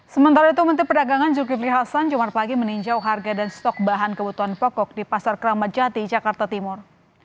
sementara itu menteri perdagangan zulkifli hasan jumat pagi meninjau harga dan stok bahan kebutuhan pokok di pasar keramat jati jakarta timur